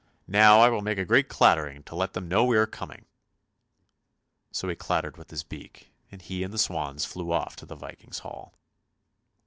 Now I will make a great clattering to let them know we are coming! " So he clattered with his beak, and he and the swans flew off to the Viking's hall.